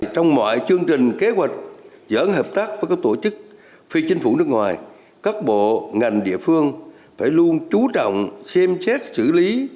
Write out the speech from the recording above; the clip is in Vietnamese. trong mọi chương trình kế hoạch dẫn hợp tác với các tổ chức phi chính phủ nước ngoài các bộ ngành địa phương phải luôn chú trọng xem xét xử lý